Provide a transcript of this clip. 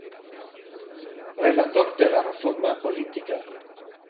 Relator de la reforma política.